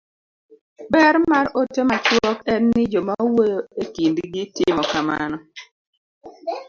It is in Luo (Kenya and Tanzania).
ber mar ote machuok en ni joma wuoyo e kindgi timo kamano